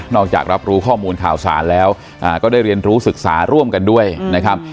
จากรับรู้ข้อมูลข่าวสารแล้วก็ได้เรียนรู้ศึกษาร่วมกันด้วยนะครับ